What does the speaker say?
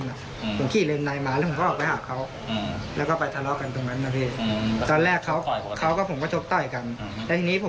เขาพุ่งเขาไปหาแฟนเขาใช่เขาเดินไปหาแฟนผมเขาก็ฝักแฟนผม